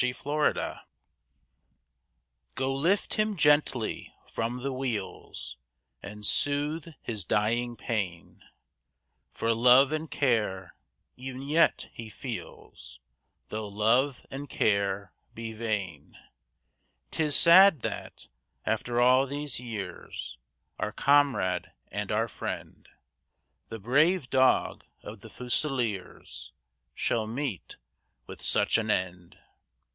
THE FUSILIERS' DOG Go lift him gently from the wheels, And soothe his dying pain, For love and care e'en yet he feels Though love and care be vain; 'Tis sad that, after all these years, Our comrade and our friend, The brave dog of the Fusiliers, Should meet with such an end.